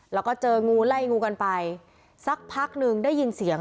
แล้วก็เจองูไล่งูกันไปสักพักหนึ่งได้ยินเสียง